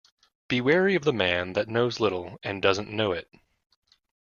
Be wary of the man that knows little, and doesn't know it.